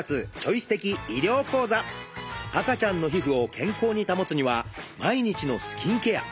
赤ちゃんの皮膚を健康に保つには毎日のスキンケア。